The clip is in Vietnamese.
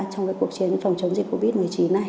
trong cuộc chiến phòng chống dịch covid một mươi chín này